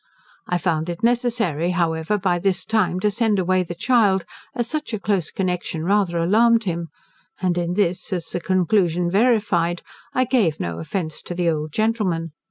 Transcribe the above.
I found it necessary, however, by this time to send away the child, as such a close connection rather alarmed him; and in this, as the conclusion verified, I gave no offence to the old gentleman.